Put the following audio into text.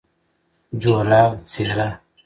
جوله : څیره